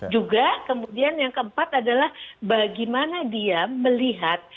juga kemudian yang keempat adalah bagaimana dia melihat